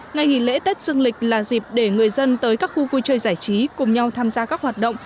ngày nghỉ lễ tết dương lịch là dịp để người dân tới các khu vui chơi giải trí cùng nhau tham gia các hoạt động